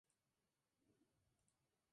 La coloración base de cabeza y cuerpo es crema.